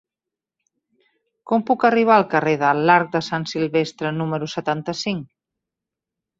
Com puc arribar al carrer de l'Arc de Sant Silvestre número setanta-cinc?